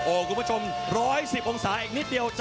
โอ้คุณผู้ชม๑๑๐องศาอีกนิดเดียวจะ๑๒๐